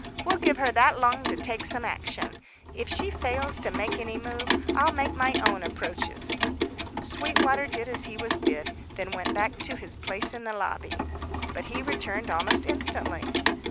We'll give her that long to take some action. If she fails to make any move, I'll make my own approaches." Sweetwater did as he was bid, then went back to his place in the lobby. But he returned almost instantly.